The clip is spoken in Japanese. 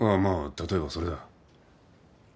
例えばそれだ。